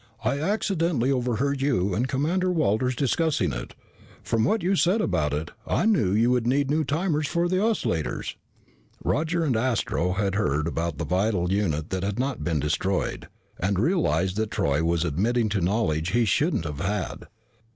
"I accidentally overheard you and Commander Walters discussing it. From what you said about it, I knew you would need new timers for the oscillators " Roger and Astro had heard about the vital unit that had not been destroyed, and realized that Troy was admitting to knowledge he shouldn't have had.